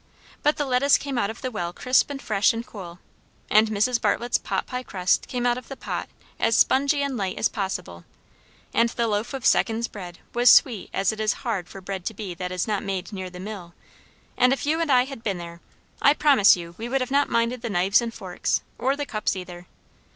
But the lettuce came out of the well crisp and fresh and cool; and Mrs. Bartlett's pot pie crust came out of the pot as spongy and light as possible; and the loaf of "seconds" bread was sweet as it is hard for bread to be that is not made near the mill; and if you and I had been there, I promise you we would not have minded the knives and forks, or the cups either.